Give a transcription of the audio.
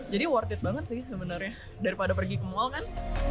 jadi worth it banget sih sebenarnya daripada pergi ke mall kan